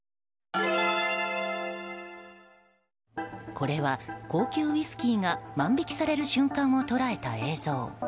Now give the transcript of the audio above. これは高級ウイスキーが万引きされる瞬間を捉えた映像。